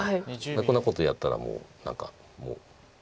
こんなことやったらもう何か。